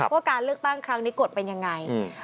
ว่าการเลือกตั้งครั้งนี้กฎเป็นยังไง